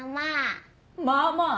まあまあ？